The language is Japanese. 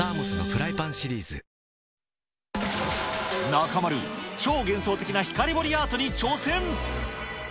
中丸、超幻想的な光彫りアートに挑戦。